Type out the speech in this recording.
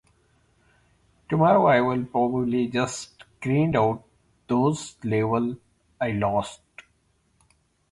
Tomorrow I'll probably just grind out those levels I lost.